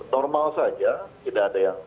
normal saja tidak ada yang